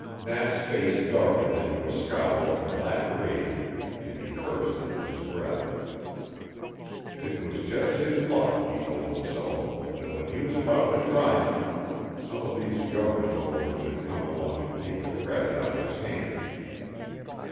Nat's face darkened into a scowl of black rage, and he cursed under his breath. It was just his luck, he told himself, that when he was about to triumph, some of these government loafers should come along and take the credit out of his hands.